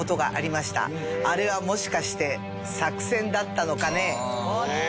あれはもしかして作戦だったのカネ？